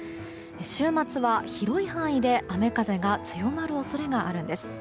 週末は広い範囲で雨風が強まる恐れがあるんです。